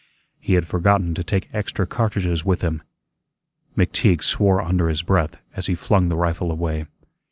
He had forgotten to take extra cartridges with him. McTeague swore under his breath as he flung the rifle away.